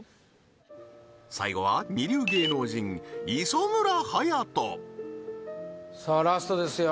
最後は二流芸能人磯村勇斗さあラストですよ